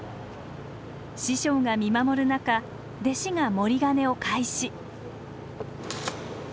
師匠が見守る中弟子が盛金を開始